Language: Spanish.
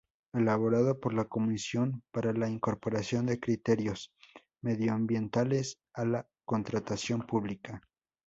Elaborado por la Comisión para la Incorporación de Criterios Medioambientales a la Contratación Pública.